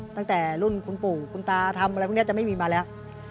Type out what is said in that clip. ตั้งแต่รุ่นคุณปู่คุณตาทำอะไรพวกนี้จะไม่มีมาแล้ว